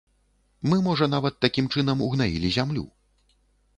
Мы, можа, нават такім чынам ўгнаілі зямлю.